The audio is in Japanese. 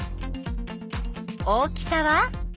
大きさは？